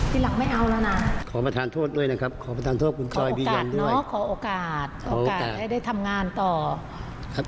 ถ้าคุยกันได้มันไม่ได้เรื่องใหญ่โตก็จบกันไปซะ